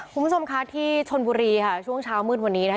คุณผู้ชมคะที่ชนบุรีค่ะช่วงเช้ามืดวันนี้นะคะ